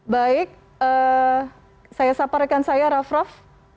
baik saya saparkan saya raff raff